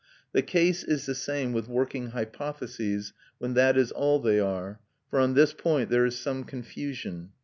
The case is the same with working hypotheses, when that is all they are; for on this point there is some confusion.